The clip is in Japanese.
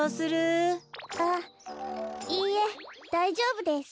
あっいいえだいじょうぶです。